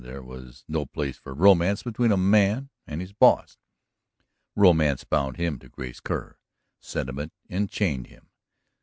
There was no place for romance between a man and his boss. Romance bound him to Grace Kerr; sentiment enchained him.